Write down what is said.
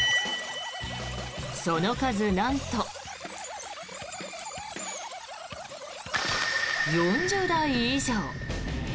その数なんと４０台以上。